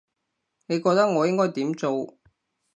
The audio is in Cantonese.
你覺得我應該點做